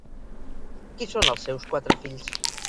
Qui són els seus quatre fills?